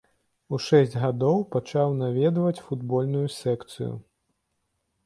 У шэсць гадоў пачаў наведваць футбольную секцыю.